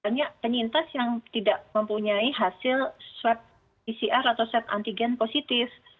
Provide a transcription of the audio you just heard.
banyak penyintas yang tidak mempunyai hasil swab pcr atau swab antigen positif